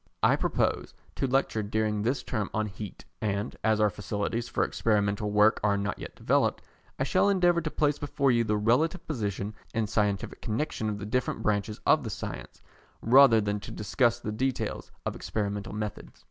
I propose to lecture during this term on Heat, and, as our facilities for experimental work are not yet fully developed, I shall endeavour to place before you the relative position and scientific connexion of the different branches of the science, rather than to discuss the details of experimental methods.